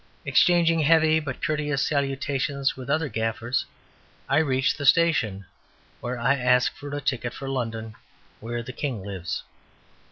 Exchanging heavy but courteous salutations with other gaffers, I reach the station, where I ask for a ticket for London where the king lives.